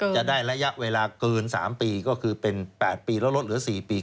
จะได้ระยะเวลาเกิน๓ปีก็คือเป็น๘ปีแล้วลดเหลือ๔ปี